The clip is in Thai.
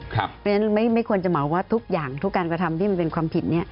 เพราะฉะนั้นไม่ควรจะเหมาว่าทุกอย่างทุกการกระทำที่มันเป็นความผิด